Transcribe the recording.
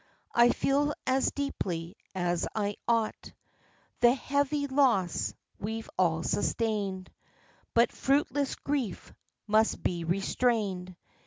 "I feel as deeply as I ought The heavy loss we've all sustained; But fruitless grief must be restrained.